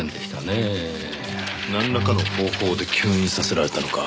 なんらかの方法で吸引させられたのか。